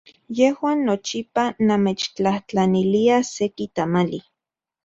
Yejuan nochipa namechtlajtlaniliaj seki tamali.